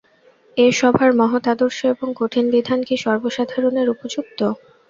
এ সভার মহৎ আদর্শ এবং কঠিন বিধান কি সর্বসাধারণের উপযুক্ত!